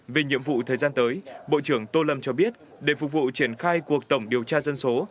về nhiệm vụ thời gian tới bộ trưởng tô lâm cho biết để phục vụ triển khai cuộc tổng điều tra dân số